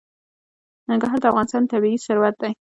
ننګرهار د افغانستان طبعي ثروت دی.